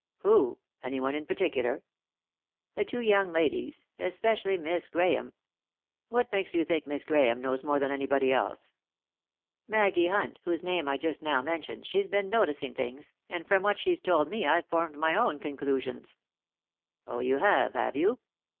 "Who? Anyone in particular ?" "The two young ladies ; especially Miss Grahame," "What makes you think Miss Grahame knows more than anybody else ?" "Maggie Hunt, whose name I just now men tioned, she's been noticing things, and from what she's told me I've formed my own conclusions." "Oh you have, have you?